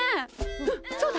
うんそうだ